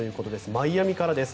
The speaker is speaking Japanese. マイアミからです。